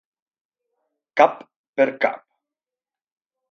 Cap per cap.